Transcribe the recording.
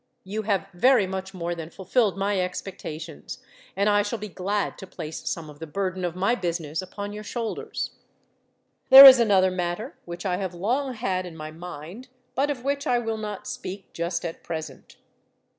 You have very much more than fulfilled my expectations, and I shall be glad to place some of the burden of my business upon your shoulders. "There is another matter, which I have long had in my mind, but of which I will not speak just at present.